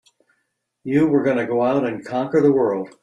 You were going to go out and conquer the world!